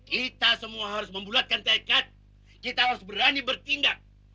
kita semua harus membulatkan tekad kita harus berani bertindak